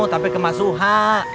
tapi ke mas suha